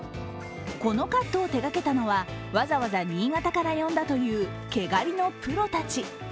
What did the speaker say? このカットを手がけたのはわざわざ新潟から呼んだという毛刈りのプロたち。